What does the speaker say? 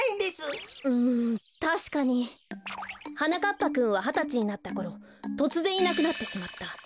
ぱくんははたちになったころとつぜんいなくなってしまった。